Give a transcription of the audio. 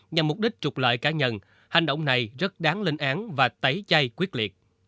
nhằm mục đích trục lợi cá nhân hành động này rất đáng linh án và tẩy chay quyết liệt